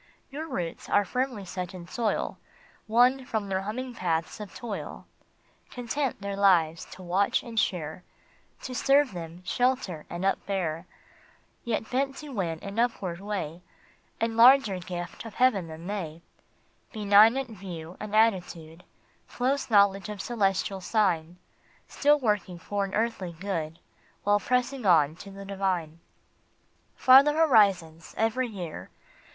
Your roots are firmly set in soil Won from their humming paths of toil ; Content their lives to watch and share, To serve them, shelter, and upbear, Yet bent to win an upward way And larger gift of heaven than they, Benignant view and attitude, Close knowledge of celestial sign, Still working for all earthly good While pressing on to the Divine. " Farther horizons every year